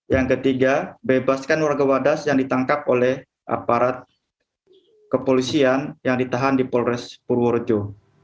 yang ketiga bebaskan warga wadas yang ditangkap oleh aparat kepolisian yang ditahan di polres purworejo